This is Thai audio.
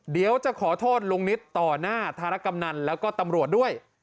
เดี๋ยวจะขอโทษลุงนิตต่อหน้าธารกำนันแล้วก็ตำรวจด้วย